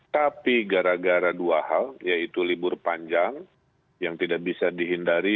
tapi gara gara dua hal yaitu libur panjang yang tidak bisa dihindari